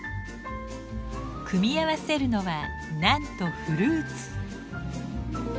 組み合わせるのはなんとフルーツ。